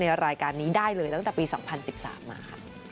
รายการนี้ได้เลยตั้งแต่ปี๒๐๑๓มาค่ะ